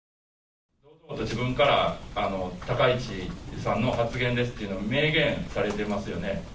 自分から高市さんの発言ですと明言されていますよね。